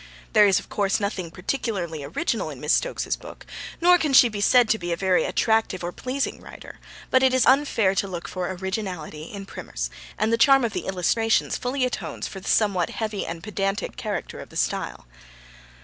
There is, of course, nothing particularly original in Miss Stokes's book, nor can she be said to be a very attractive or pleasing writer, but it is unfair to look for originality in primers, and the charm of the illustrations fully atones for the somewhat heavy and pedantic character of the style.